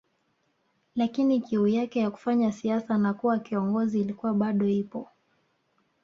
Lakini kiu yake ya kufanya siasa na kuwa kiongozi ilikuwa bado ipo